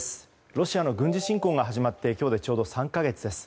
ロシアの軍事侵攻が始まって今日で３か月です。